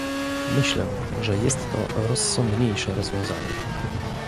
Myślę, że jest to rozsądniejsze rozwiązanie